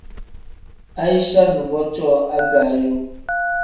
Aicha nuvo cooo agaayo.